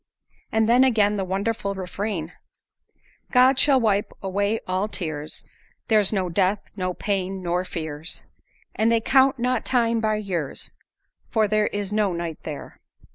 And then again the wonderful refrain: "God shall wipe away all tears; There's no death, no pain, nor fears; And they count not time by years, For there is no night there."